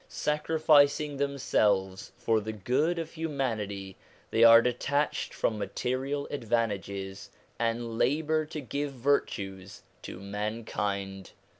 Sacrificing themselves for the good of humanity, they are detached from material advantages, and labour to give virtues to mankind.